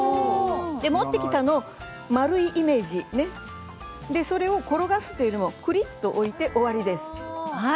持ってきたのを丸いイメージそれを転がすというよりくりっと置いて終わりです。